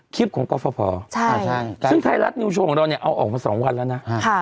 คลิปของกรฟภซึ่งไทยรัฐนิวโชว์ของเราเนี่ยเอาออกมา๒วันแล้วนะ